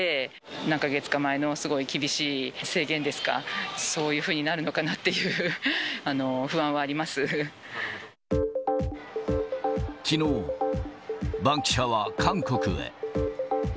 何か月か前のすごい厳しい制限ですか、そういうふうになるのかなきのう、バンキシャは韓国へ。